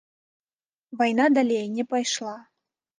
Вайна далей не пайшла.